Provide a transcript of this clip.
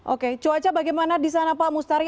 oke cuaca bagaimana di sana pak mustari